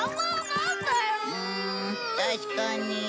うん確かに。